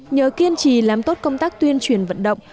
nhờ kiên trì làm tốt công tác tuyên truyền vận động